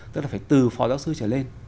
tức là phải từ phò giáo sư trở lên